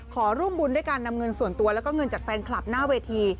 ขอร่วมบุญด้วยการนำเงินส่วนตัวแล้วก็เงินจากแฟนคลับหน้าเวที